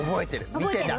見てた。